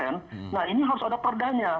nah ini harus ada perdanya